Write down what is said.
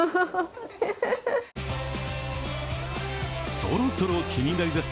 そろそろ気になりだす